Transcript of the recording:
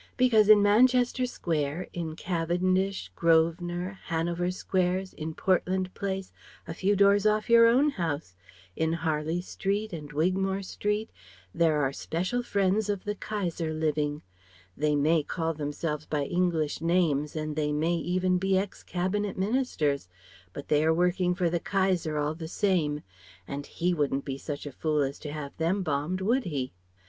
"Because in Manchester Square, in Cavendish Grosvenor Hanover Squares, in Portland Place a few doors off your own house in Harley Street and Wigmore Street: there are special friends of the Kaiser living. They may call themselves by English names, they may even be ex cabinet ministers; but they are working for the Kaiser, all the same. And he wouldn't be such a fool as to have them bombed, would he?"